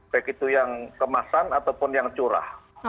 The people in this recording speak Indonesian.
baik itu yang kemasan ataupun yang curah